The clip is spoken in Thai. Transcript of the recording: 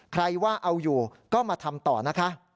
ใครว่าเอาอยู่ก็มาทำต่อนะคะ